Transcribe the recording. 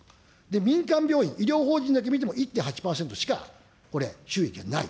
民間病院、医療法人だけ見ても１．８％しかこれ収益がない。